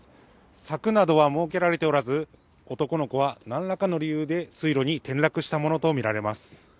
柵などは設けられておらず男の子は何らかの理由で水路に転落したものとみられます。